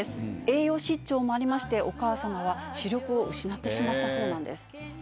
栄養失調もありましてお母様は視力を失ってしまったそうなんです。